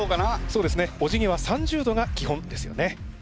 そうですねおじぎは３０度が基本ですよね。